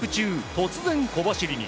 突然、小走りに。